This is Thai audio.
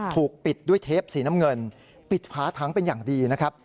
ถูกปิดด้วยเทปสีน้ำเงินปิดฝาถังเป็นอย่างดีนะครับ